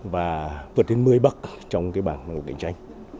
và vượt đến một mươi bắc trong bảng năng lực cạnh tranh